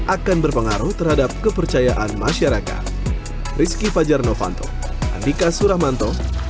akan berpengaruh terhadap kepercayaan masyarakat